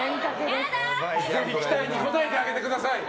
期待に応えてあげてください。